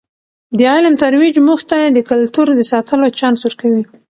د علم ترویج موږ ته د کلتور د ساتلو چانس ورکوي.